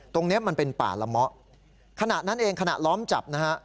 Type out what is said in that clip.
ตรงนี้มันเป็นป่าละเมาะขณะนั้นเองขณะล้อมจับนะฮะ